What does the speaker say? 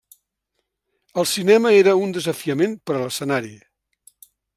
El cinema era un desafiament per a l'escenari.